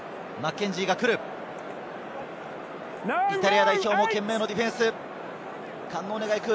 イタリア代表も懸命のディフェンス。